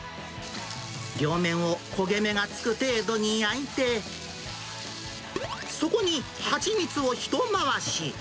両面を焦げ目がつく程度に焼いて、そこに蜂蜜をひと回し。